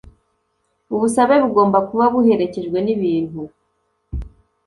ubusabe bugomba kuba buherekejwe n ibintu